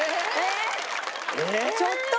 ちょっと！